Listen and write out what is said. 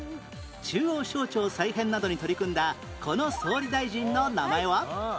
中央省庁再編などに取り組んだこの総理大臣の名前は？